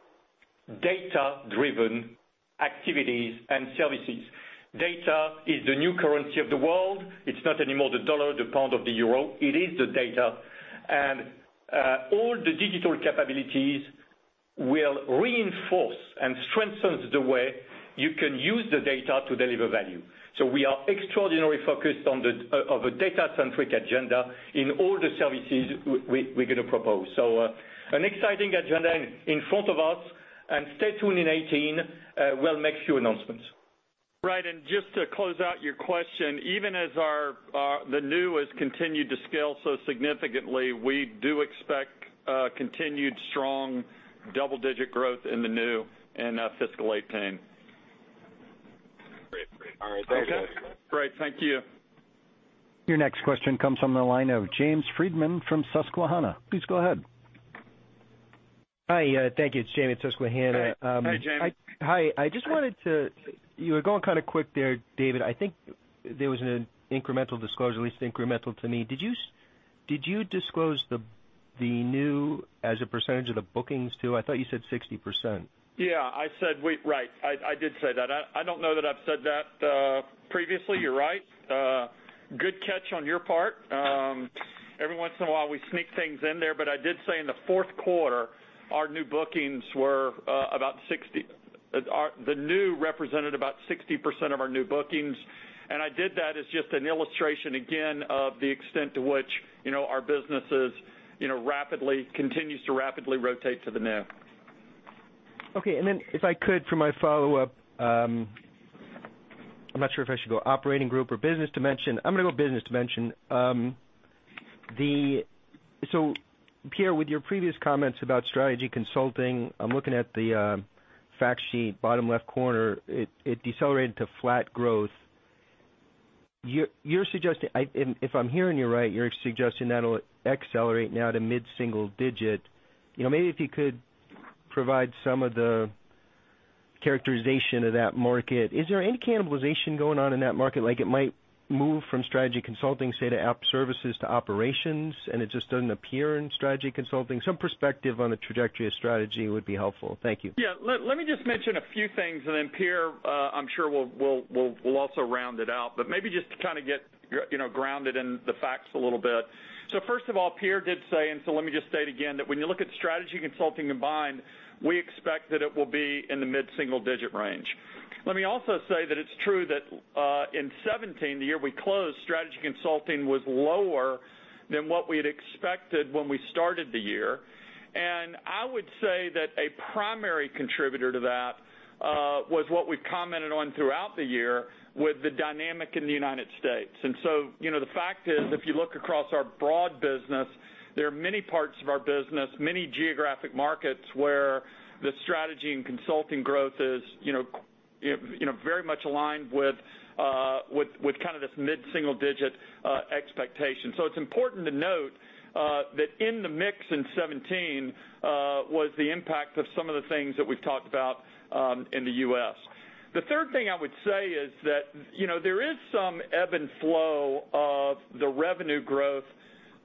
[SPEAKER 3] data-driven activities and services. Data is the new currency of the world. It's not anymore the dollar, the pound or the euro, it is the data. All the digital capabilities will reinforce and strengthen the way you can use the data to deliver value. We are extraordinarily focused on a data-centric agenda in all the services we're going to propose. An exciting agenda in front of us, and stay tuned in 2018, we'll make a few announcements.
[SPEAKER 4] Right. Just to close out your question, even as the new has continued to scale so significantly, we do expect continued strong double-digit growth in the new in fiscal 2018.
[SPEAKER 8] Great. All right. Thank you.
[SPEAKER 4] Okay, great. Thank you.
[SPEAKER 1] Your next question comes from the line of James Friedman from Susquehanna. Please go ahead.
[SPEAKER 9] Hi. Thank you. It's Jamie at Susquehanna.
[SPEAKER 4] Hey. Hi, Jamie.
[SPEAKER 9] Hi. You were going kind of quick there, David. I think there was an incremental disclosure, at least incremental to me. Did you disclose the new as a percentage of the bookings, too? I thought you said 60%.
[SPEAKER 4] Yeah. Right, I did say that. I don't know that I've said that previously, you're right. Good catch on your part. Every once in a while, we sneak things in there. I did say in the fourth quarter, the new represented about 60% of our new bookings. I did that as just an illustration, again, of the extent to which our businesses continues to rapidly rotate to the new.
[SPEAKER 9] Okay. If I could, for my follow-up, I'm not sure if I should go operating group or business dimension. I'm going to go business dimension. Pierre, with your previous comments about strategy consulting, I'm looking at the fact sheet bottom left corner, it decelerated to flat growth. If I'm hearing you right, you're suggesting that'll accelerate now to mid-single digit. Maybe if you could provide some of the characterization of that market. Is there any cannibalization going on in that market? Like it might move from strategy consulting, say, to app services to operations, and it just doesn't appear in strategy consulting? Some perspective on the trajectory of strategy would be helpful. Thank you.
[SPEAKER 4] Yeah. Let me just mention a few things, Pierre, I'm sure, will also round it out, but maybe just to kind of get grounded in the facts a little bit. First of all, Pierre did say, let me just state again, that when you look at strategy consulting combined, we expect that it will be in the mid-single digit range. Let me also say that it's true that in 2017, the year we closed, strategy consulting was lower than what we had expected when we started the year. I would say that a primary contributor to that, was what we commented on throughout the year with the dynamic in the U.S. The fact is, if you look across our broad business, there are many parts of our business, many geographic markets, where the strategy and consulting growth is very much aligned with kind of this mid-single digit expectation. It's important to note that in the mix in 2017, was the impact of some of the things that we've talked about in the U.S. The third thing I would say is that there is some ebb and flow of the revenue growth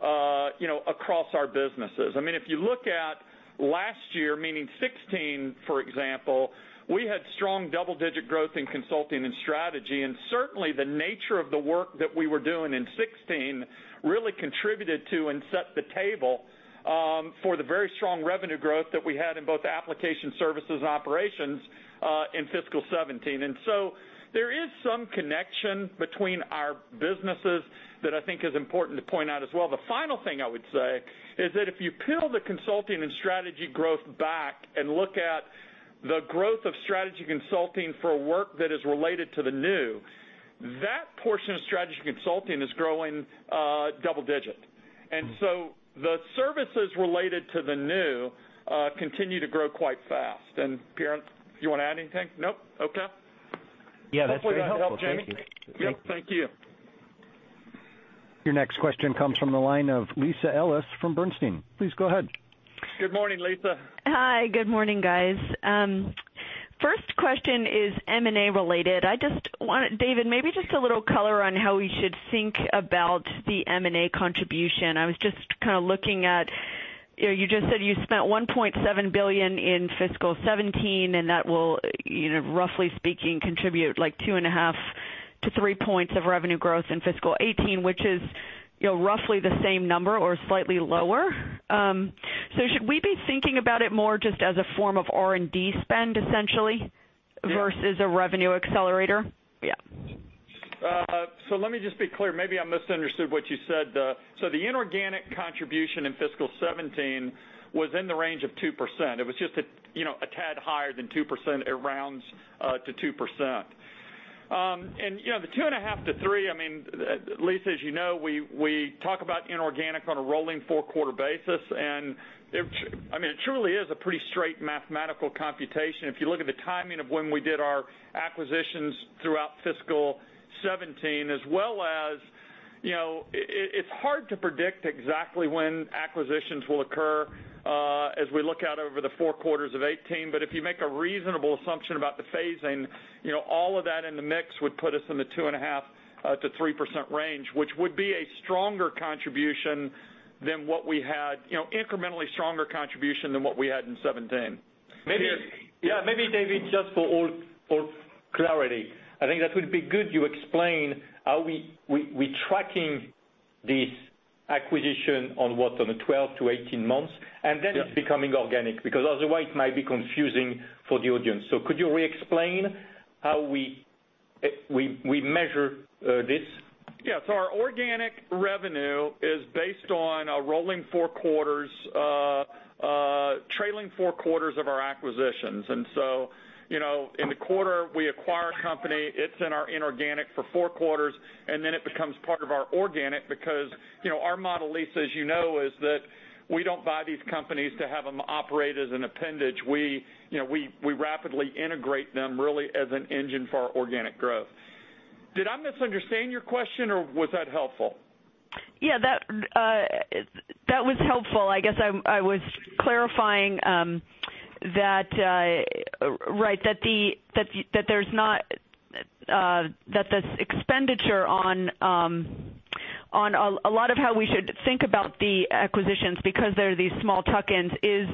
[SPEAKER 4] across our businesses. If you look at last year, meaning 2016, for example, we had strong double-digit growth in consulting and strategy, and certainly the nature of the work that we were doing in 2016 really contributed to and set the table for the very strong revenue growth that we had in both application services and operations in fiscal 2017. There is some connection between our businesses that I think is important to point out as well. The final thing I would say is that if you peel the consulting and strategy growth back and look at the growth of strategy consulting for work that is related to the new, that portion of strategy consulting is growing double-digit. The services related to the new, continue to grow quite fast. Pierre, do you want to add anything? No? Okay.
[SPEAKER 9] Yeah, that's very helpful. Thank you.
[SPEAKER 4] Hopefully that helped, Jamie. Yep, thank you.
[SPEAKER 1] Your next question comes from the line of Lisa Ellis from Bernstein. Please go ahead.
[SPEAKER 4] Good morning, Lisa.
[SPEAKER 10] Hi. Good morning, guys. First question is M&A related. David, maybe just a little color on how we should think about the M&A contribution. I was just looking at, you just said you spent $1.7 billion in fiscal 2017, that will roughly speaking, contribute like 2.5-3 points of revenue growth in fiscal 2018, which is roughly the same number or slightly lower. Should we be thinking about it more just as a form of R&D spend essentially
[SPEAKER 4] Yeah
[SPEAKER 10] versus a revenue accelerator? Yeah.
[SPEAKER 4] Let me just be clear. Maybe I misunderstood what you said. The inorganic contribution in fiscal 2017 was in the range of 2%. It was just a tad higher than 2%. It rounds to 2%. The 2.5-3, Lisa, as you know, we talk about inorganic on a rolling four-quarter basis, and it truly is a pretty straight mathematical computation. If you look at the timing of when we did our acquisitions throughout fiscal 2017. It's hard to predict exactly when acquisitions will occur as we look out over the four quarters of 2018. If you make a reasonable assumption about the phasing, all of that in the mix would put us in the 2.5%-3% range, which would be a stronger contribution than what we had, incrementally stronger contribution than what we had in 2017.
[SPEAKER 3] Maybe, David, just for all clarity, I think that would be good you explain how we tracking this acquisition on what, on a 12 to 18 months, and then it's becoming organic, because otherwise it might be confusing for the audience. Could you re-explain how we measure this?
[SPEAKER 4] Yeah. Our organic revenue is based on a rolling four quarters, trailing four quarters of our acquisitions. In the quarter we acquire a company, it's in our inorganic for four quarters, and then it becomes part of our organic because our model, Lisa, as you know, is that we don't buy these companies to have them operate as an appendage. We rapidly integrate them really as an engine for our organic growth. Did I misunderstand your question, or was that helpful?
[SPEAKER 10] Yeah, that was helpful. I guess I was clarifying that the expenditure on a lot of how we should think about the acquisitions, because they're these small tuck-ins, is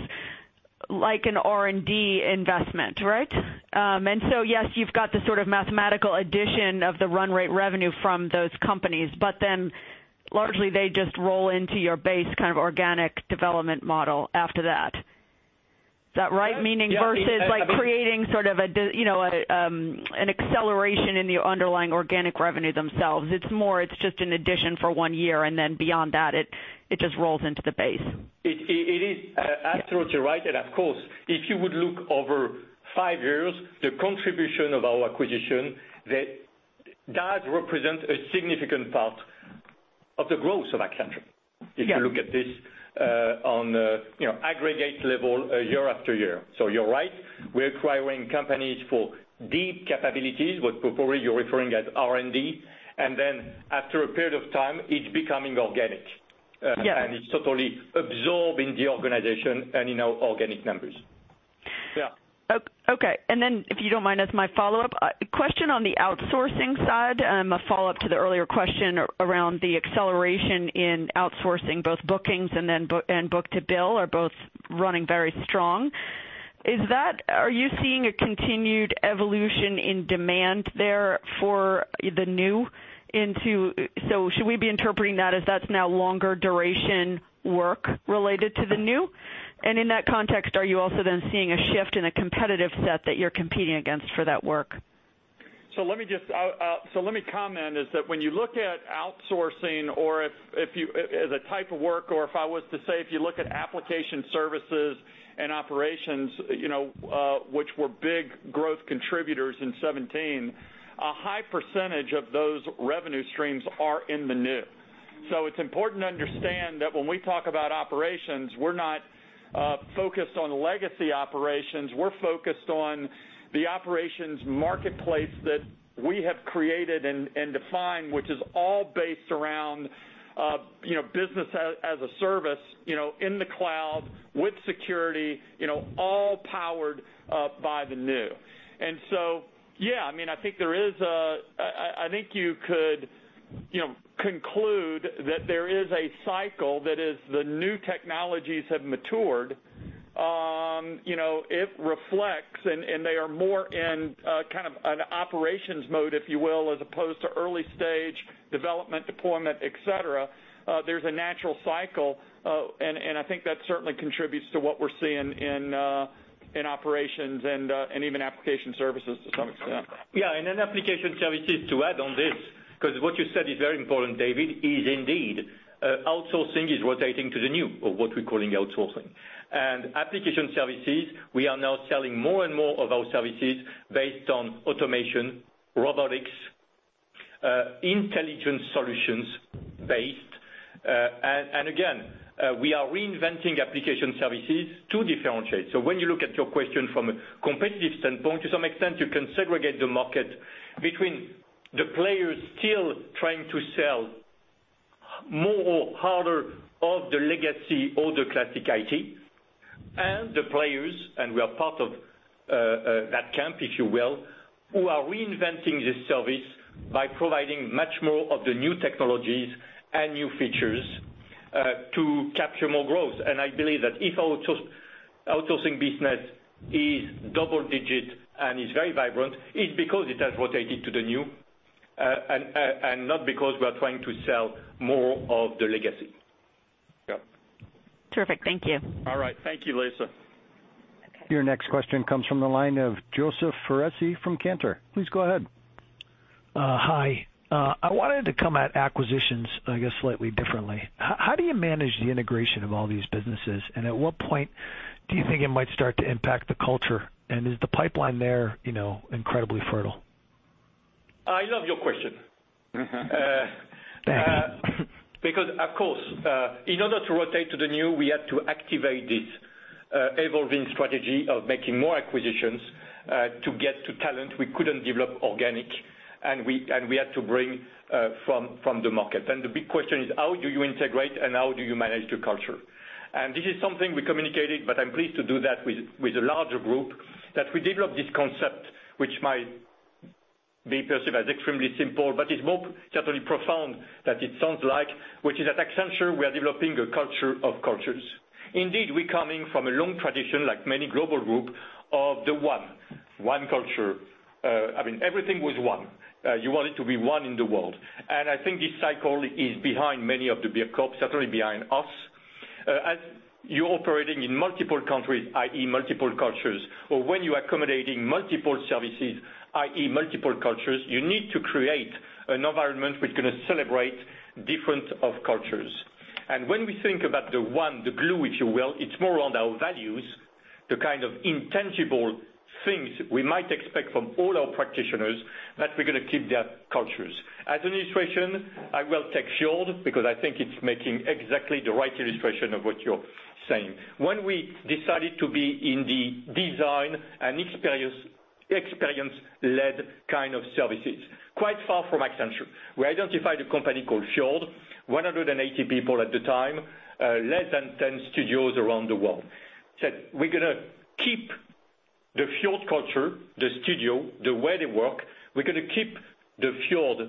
[SPEAKER 10] like an R&D investment, right? Yes, you've got the sort of mathematical addition of the run rate revenue from those companies, largely they just roll into your base kind of organic development model after that. Is that right? Meaning versus like creating sort of an acceleration in the underlying organic revenue themselves. It's more, it's just an addition for one year, and then beyond that, it just rolls into the base.
[SPEAKER 3] It is absolutely right. Of course, if you would look over five years, the contribution of our acquisition, that does represent a significant part of the growth of Accenture.
[SPEAKER 10] Yeah
[SPEAKER 3] If you look at this on aggregate level year after year. You're right, we're acquiring companies for deep capabilities, what probably you're referring as R&D, and then after a period of time, it's becoming organic.
[SPEAKER 10] Yeah.
[SPEAKER 3] It's totally absorbed in the organization and in our organic numbers.
[SPEAKER 4] Yeah.
[SPEAKER 10] Okay. If you don't mind, as my follow-up, a question on the outsourcing side, a follow-up to the earlier question around the acceleration in outsourcing, both bookings and book-to-bill are both running very strong. Are you seeing a continued evolution in demand there for the new? Should we be interpreting that as that's now longer duration work related to the new? In that context, are you also seeing a shift in a competitive set that you're competing against for that work?
[SPEAKER 4] Let me comment, is that when you look at outsourcing or as a type of work, or if I was to say, if you look at application services and operations, which were big growth contributors in 2017, a high percentage of those revenue streams are in the new. It's important to understand that when we talk about operations, we're not focused on legacy operations. We're focused on the operations marketplace that we have created and defined, which is all based around business as a service, in the cloud with security, all powered up by the new. Yeah, I think you could conclude that there is a cycle that is the new technologies have matured. It reflects, and they are more in kind of an operations mode, if you will, as opposed to early stage development, deployment, et cetera. There's a natural cycle, I think that certainly contributes to what we're seeing in operations and even application services to some extent.
[SPEAKER 3] Yeah. In application services, to add on this, because what you said is very important, David, is indeed, outsourcing is rotating to the new, or what we're calling outsourcing. Application services, we are now selling more and more of our services based on automation, robotics, intelligence solutions based. Again, we are reinventing application services to differentiate. When you look at your question from a competitive standpoint, to some extent, you can segregate the market between the players still trying to sell more or harder of the legacy or the classic IT, and the players, and we are part of that camp, if you will, who are reinventing this service by providing much more of the new technologies and new features to capture more growth. I believe that if outsourcing business is double-digit and is very vibrant, it's because it has rotated to the new, not because we are trying to sell more of the legacy.
[SPEAKER 4] Yep.
[SPEAKER 10] Terrific. Thank you.
[SPEAKER 4] All right. Thank you, Lisa.
[SPEAKER 1] Your next question comes from the line of Joseph Foresi from Cantor. Please go ahead.
[SPEAKER 11] Hi. I wanted to come at acquisitions, I guess, slightly differently. How do you manage the integration of all these businesses, and at what point Do you think it might start to impact the culture? Is the pipeline there incredibly fertile?
[SPEAKER 3] I love your question. Because, of course, in order to rotate to the new, we had to activate this evolving strategy of making more acquisitions to get to talent we couldn't develop organic, and we had to bring from the market. The big question is, how do you integrate and how do you manage the culture? This is something we communicated, but I'm pleased to do that with a larger group, that we developed this concept, which might be perceived as extremely simple, but is more certainly profound than it sounds like. Which is at Accenture, we are developing a culture of cultures. Indeed, we're coming from a long tradition, like many global group, of the one culture. Everything was one. You wanted to be one in the world. I think this cycle is behind many of the big corps, certainly behind us. As you're operating in multiple countries, i.e. multiple cultures, or when you are accommodating multiple services, i.e. multiple cultures, you need to create an environment which is going to celebrate difference of cultures. When we think about the one, the glue, if you will, it's more around our values, the kind of intangible things we might expect from all our practitioners, but we're going to keep their cultures. As an illustration, I will take Fjord, because I think it's making exactly the right illustration of what you're saying. When we decided to be in the design and experience-led kind of services, quite far from Accenture, we identified a company called Fjord, 180 people at the time, less than 10 studios around the world. Said, "We're gonna keep the Fjord culture, the studio, the way they work. We're gonna keep the Fjord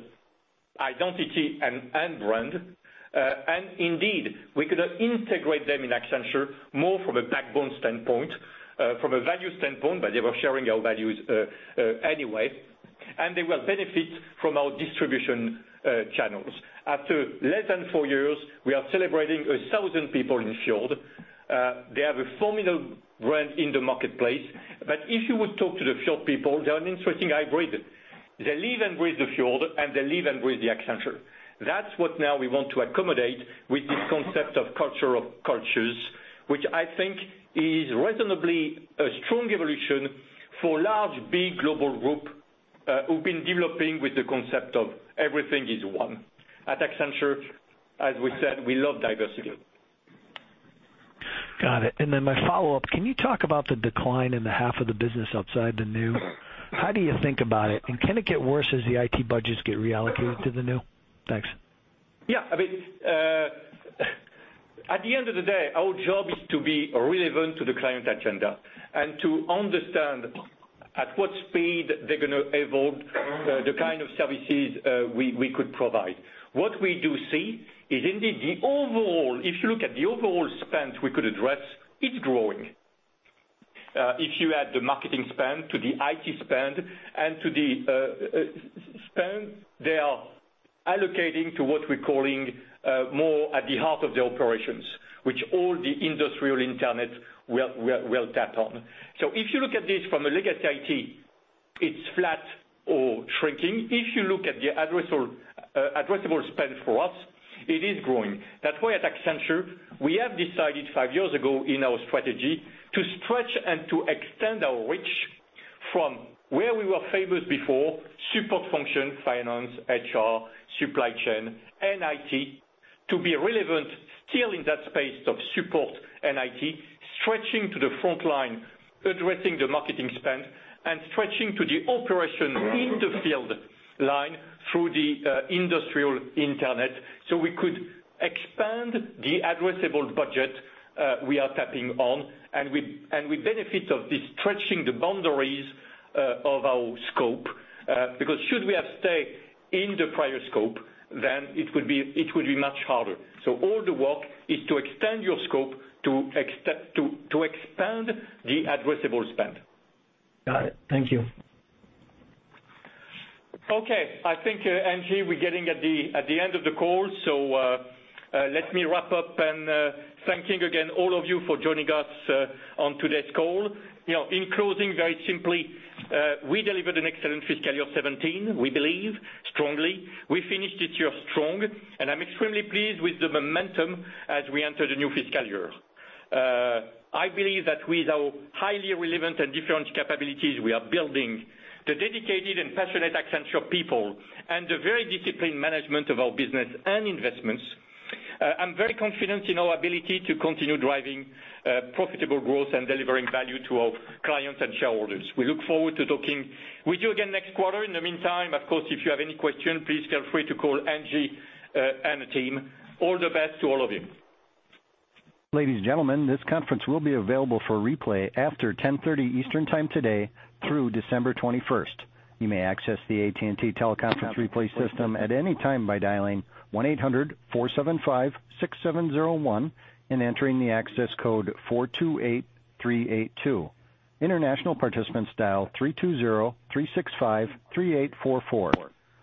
[SPEAKER 3] identity and brand. Indeed, we're gonna integrate them in Accenture more from a backbone standpoint, from a value standpoint, by way of sharing our values anyway, and they will benefit from our distribution channels. After less than four years, we are celebrating 1,000 people in Fjord. They have a formidable brand in the marketplace. If you would talk to the Fjord people, they're an interesting hybrid. They live and breathe the Fjord, and they live and breathe the Accenture. That's what now we want to accommodate with this concept of culture of cultures, which I think is reasonably a strong evolution for large, big global group who've been developing with the concept of everything is one. At Accenture, as we said, we love diversity.
[SPEAKER 11] Got it. Then my follow-up, can you talk about the decline in the half of the business outside the new? How do you think about it? Can it get worse as the IT budgets get reallocated to the new? Thanks.
[SPEAKER 3] Yeah. At the end of the day, our job is to be relevant to the client agenda and to understand at what speed they're going to evolve the kind of services we could provide. What we do see is indeed the overall, if you look at the overall spend we could address, it's growing. If you add the marketing spend to the IT spend and to the spend they are allocating to what we're calling more at the heart of the operations, which all the industrial internet will tap on. If you look at this from a legacy IT, it's flat or shrinking. If you look at the addressable spend for us, it is growing. That's why at Accenture, we have decided five years ago in our strategy to stretch and to extend our reach from where we were famous before, support function, finance, HR, supply chain, and IT, to be relevant still in that space of support and IT, stretching to the front line, addressing the marketing spend, and stretching to the operation in the field line through the industrial internet, so we could expand the addressable budget we are tapping on. We benefit of this stretching the boundaries of our scope, because should we have stayed in the prior scope, then it would be much harder. All the work is to extend your scope to expand the addressable spend.
[SPEAKER 11] Got it. Thank you.
[SPEAKER 3] Okay. I think, Angie, we're getting at the end of the call, so let me wrap up and thanking again all of you for joining us on today's call. In closing, very simply, we delivered an excellent fiscal year 2017, we believe strongly. We finished this year strong, and I'm extremely pleased with the momentum as we enter the new fiscal year. I believe that with our highly relevant and different capabilities we are building, the dedicated and passionate Accenture people, and the very disciplined management of our business and investments, I'm very confident in our ability to continue driving profitable growth and delivering value to our clients and shareholders. We look forward to talking with you again next quarter. In the meantime, of course, if you have any questions, please feel free to call Angie and the team. All the best to all of you.
[SPEAKER 1] Ladies and gentlemen, this conference will be available for replay after 10:30 Eastern Time today through December 21st. You may access the AT&T teleconference replay system at any time by dialing 1-800-475-6701 and entering the access code 428382. International participants dial 320-365-3844.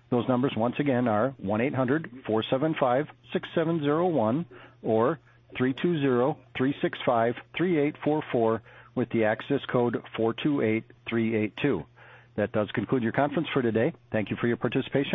[SPEAKER 1] Those numbers once again are 1-800-475-6701 or 320-365-3844 with the access code 428382. That does conclude your conference for today. Thank you for your participation.